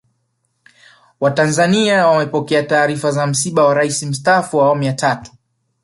Watanzania wamepokea taarifa za msiba wa Rais Mstaafu wa Awamu ya Tatu